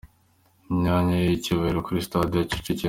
Mu myanya y'icyubahiro kuri sitade ya Kicukiro.